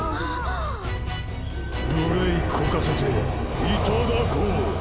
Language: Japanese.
ぶれいこかせていただこう！